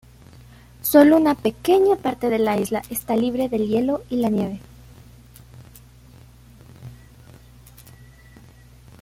Solo una pequeña parte de la isla está libre de hielo y nieve.